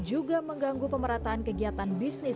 juga mengganggu pemerataan kegiatan